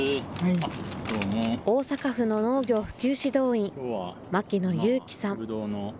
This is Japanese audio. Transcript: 大阪府の農業普及指導員、牧野裕樹さん。